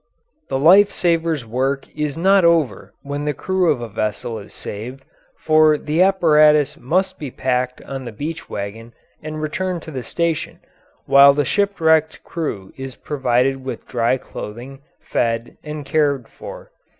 The life savers' work is not over when the crew of a vessel is saved, for the apparatus must be packed on the beach wagon and returned to the station, while the shipwrecked crew is provided with dry clothing, fed, and cared for.